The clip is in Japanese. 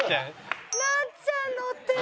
なっちゃん乗ってる！